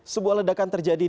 sebuah ledakan terjadi